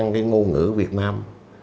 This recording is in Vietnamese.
cái ngôn ngữ việt nam